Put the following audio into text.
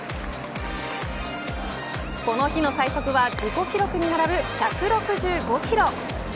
この日の最速は自己記録に並ぶ１６５キロ。